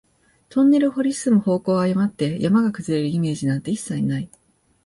トンネルを掘り進む方向を誤って、山が崩れるイメージなんて一切ない